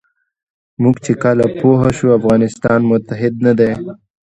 موږ چې کله پوه شو افغانستان متحد نه دی.